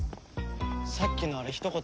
さっきのあれひと言